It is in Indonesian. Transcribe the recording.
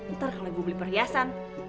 ntar kalau gue beli perhiasan